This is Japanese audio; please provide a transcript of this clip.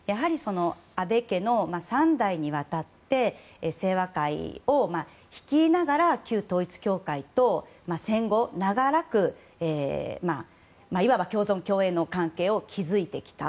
安倍家の３代にわたって清和会を率いながら旧統一教会と戦後長らくいわば、共存共栄の関係を築いてきた。